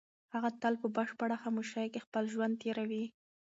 هغه تل په بشپړه خاموشۍ کې خپل ژوند تېروي.